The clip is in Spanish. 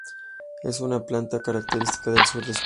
Es una planta característica del sur de España.